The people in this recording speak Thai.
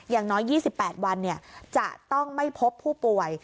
อย่างน้อย๒๘วันจะต้องไม่พบผู้ป่วย